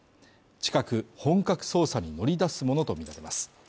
近く本格捜査に乗り出すものと見られます